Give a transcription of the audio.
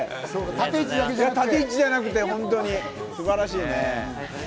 縦位置じゃなくて、本当に素晴らしいね。